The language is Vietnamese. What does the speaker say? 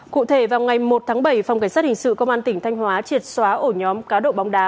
cụ thể vào ngày một tháng bảy phòng cảnh sát hình sự công an tỉnh thanh hóa triệt xóa ổ nhóm cá độ bóng đá